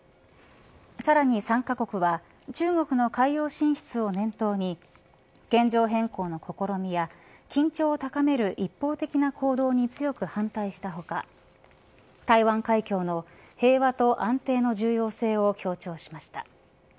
さらに３カ国は中国の海洋進出を念頭に現状変更の試みや緊張を高める一方的な行動に強く反対した他台湾海峡の平和と安定の重要性を強調しました。